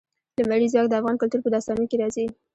لمریز ځواک د افغان کلتور په داستانونو کې راځي.